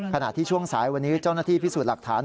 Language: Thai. ขณะที่ช่วงสายวันนี้เจ้าหน้าที่พิสูจน์หลักฐาน